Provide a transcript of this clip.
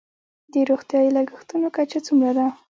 د روغتیايي لګښتونو کچه څومره ده؟